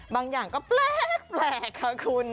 บางอย่างก็แปลกค่ะคุณ